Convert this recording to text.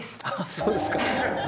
そうですか。